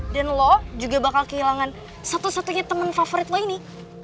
dan lo juga bakal kehilangan satu satunya temen favorit lo ini